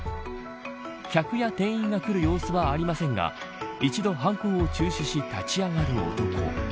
客や店員が来る様子はありませんが一度、犯行を中止し立ち上がる男。